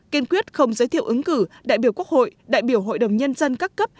kiên quyết không giới thiệu ứng cử đại biểu quốc hội đại biểu hội đồng nhân dân các cấp